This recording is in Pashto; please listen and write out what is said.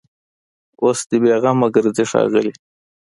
اوس دي بېغمه ګرځي ښاغلي